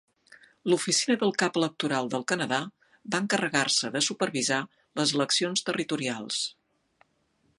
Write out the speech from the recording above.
L'Oficina del Cap Electoral del Canadà va encarregar-se de supervisar les eleccions territorials.